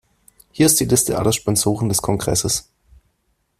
Hier ist die Liste aller Sponsoren des Kongresses.